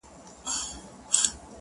ښکارېدی چي له وطنه لیري تللی!.